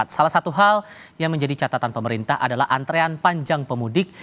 salah satu hal yang menjadi catatan pemerintah adalah antrean panjang pemudik